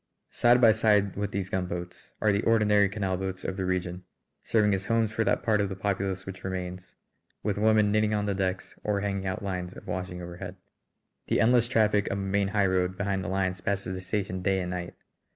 Side by side with these gunboats are the ordinary canal boats of the region, serving as homes for that part of the populace which remains, with women knitting on the decks or hanging out lines of washing overhead. The endless traffic of a main highroad behind the lines passes the station day and night.